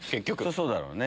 そうだろうね。